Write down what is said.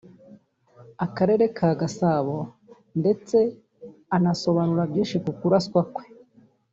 Akarere ka Gasabo ndetse anasobanura byinshi ku kuraswa kwe